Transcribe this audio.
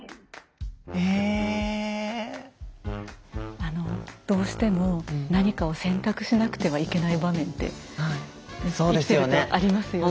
あのどうしても何かを選択しなくてはいけない場面って生きてるとありますよね。